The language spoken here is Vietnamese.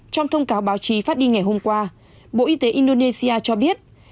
trong thông cáo báo chí phát đi ngày hôm qua bộ y tế indonesia cho biết